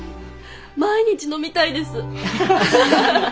毎日飲みたいです！